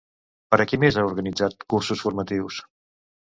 Per a qui més ha organitzat cursos formatius?